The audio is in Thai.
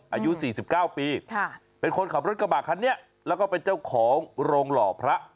อายุ๔๙ปีเป็นคนขับรถกระบะคันนี้แล้วก็เป็นเจ้าของโรงหล่อพระ